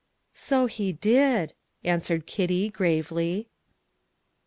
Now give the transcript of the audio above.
"So He did," answered Kitty gravely.